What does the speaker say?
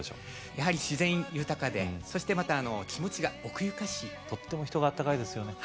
やはり自然豊かでそしてまた気持ちが奥ゆかしいとっても人が温かいですよね